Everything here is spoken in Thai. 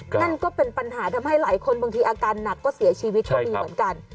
นั่นก็เป็นปัญหาทำให้หลายคนบางทีอาการหนักก็เสียชีวิตก็มีเหมือนกัน